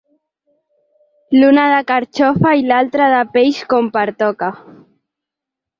L'una de carxofa i l'altra de peix, com pertoca.